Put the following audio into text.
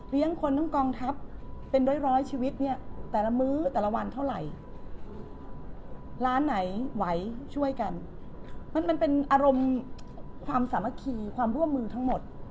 ร้านไหนไหว้ช่วยกันมันมันเป็นอารมณ์ความสามัคคีความร่วมมือทั้งหมด